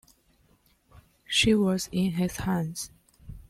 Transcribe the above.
She was in his hands.